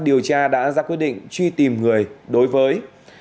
đã ra quyết định truy tìm người đối với